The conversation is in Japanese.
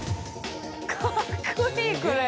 かっこいいこれ。